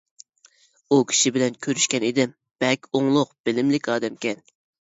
ئۇ كىشى بىلەن كۆرۈشكەن ئىدىم، بەك ئوڭلۇق، بىلىملىك ئادەمكەن.